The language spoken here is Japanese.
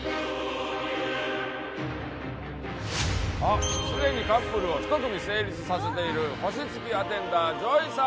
あっすでにカップルを１組成立させている星付きアテンダーＪＯＹさん！